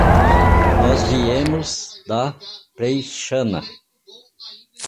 Nós viemos da Preixana.